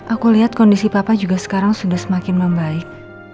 aku lihat kondisi papa juga sekarang sudah semakin membaik